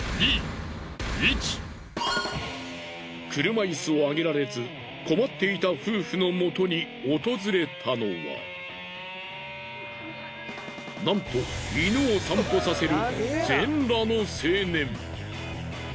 車椅子を上げられず困っていた夫婦のもとに訪れたのはなんと犬を散歩させる